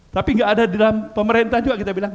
tapi nggak ada di dalam pemerintah juga kita bilang